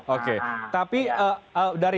oke tapi dari